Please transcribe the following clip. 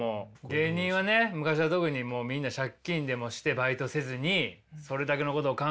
芸人はね昔は特にもうみんな借金でもしてバイトせずにそれだけのことを考えてっていう時期もあったよね